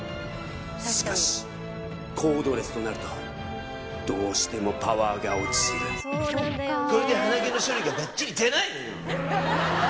しかしコードレスとなるとどうしてもパワーが落ちるこれで鼻毛の処理がバッチリじゃないのよ！